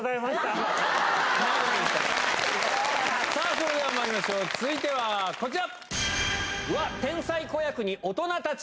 それではまいりましょう続いてはこちら！